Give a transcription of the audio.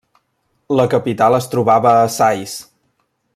La capital es trobava a Sais.